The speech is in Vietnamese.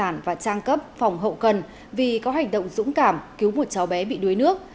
đại úy nguyễn xuân bằng đã đạt cấp phòng hậu cần vì có hành động dũng cảm cứu một cháu bé bị đuối nước